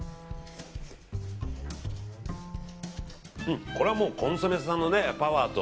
うん、これはコンソメさんのパワーと。